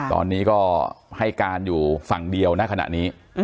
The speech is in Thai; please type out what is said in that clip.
ตอนนี้ก็ให้การอยู่ฝั่งเดียวณขณะนี้